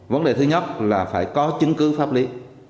vấn đề thứ nhất là phải có chứng cứ pháp lý